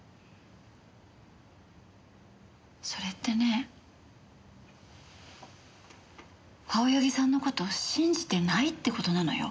それってね青柳さんの事を信じてないって事なのよ。